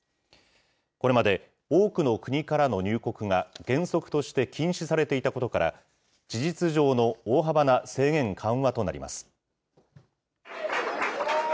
これまで、多くの国からの入国が原則として禁止されていたことから、事実上の大幅な制限緩和となります。